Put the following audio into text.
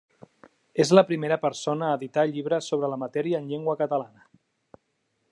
És la primera persona a editar llibres sobre la matèria en llengua catalana.